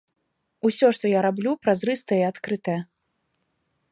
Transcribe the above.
Усё, што я раблю, празрыстае і адкрытае.